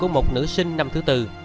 một nữ sinh năm thứ tư